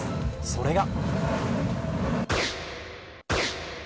それが。